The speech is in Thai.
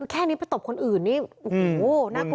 แค่นี้ไปตบคนอื่นนี่โอ้โหน่ากลัว